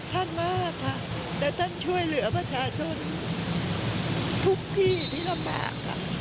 ท่านมากค่ะและท่านช่วยเหลือประชาชนทุกที่ที่ลำบากค่ะ